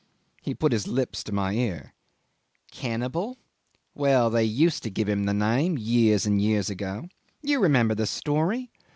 He put his lips to my ear. "Cannibal? well, they used to give him the name years and years ago. You remember the story?